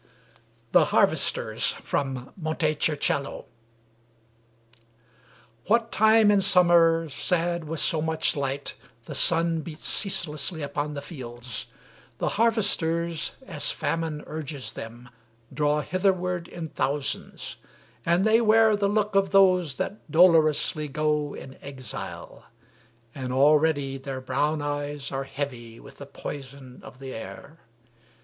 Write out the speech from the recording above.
From 'The Primal Histories.' THE HARVESTERS What time in summer, sad with so much light, The sun beats ceaselessly upon the fields; The harvesters, as famine urges them, Draw hitherward in thousands, and they wear The look of those that dolorously go In exile, and already their brown eyes Are heavy with the poison of the air.